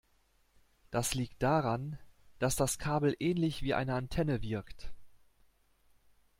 Das liegt daran, dass das Kabel ähnlich wie eine Antenne wirkt.